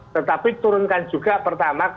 tetapi turunkan juga pertama